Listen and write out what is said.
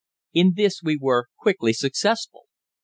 In this we were quickly successful.